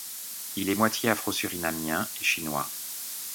Il est moitié afro-surinamien et chinois.